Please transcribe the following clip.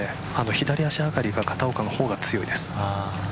左足上がりが片岡の方が強いです。